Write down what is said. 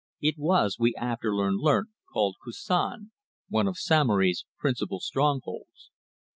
It was, we afterwards learnt, called Koussan, one of Samory's principal strongholds.